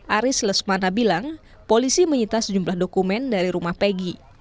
aris lesmana bilang polisi menyita sejumlah dokumen dari rumah pegi